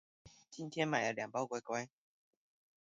今天買了兩包乖乖